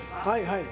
はい。